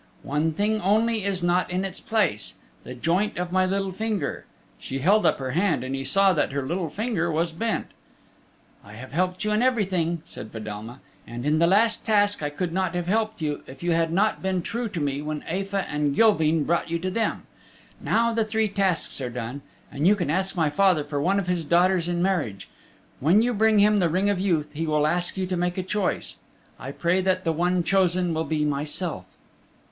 "One thing only is not in its place the joint of my little finger." She held up her hand and he saw that her little finger was bent. "I have helped you in everything," said Fedelma, "and in the last task I could not have helped you if you had not been true to me when Aefa and Gilveen brought you to them. Now the three tasks are done, and you can ask my father for one of his daughters in marriage. When you bring him the Ring of Youth he will ask you to make a choice. I pray that the one chosen will be myself."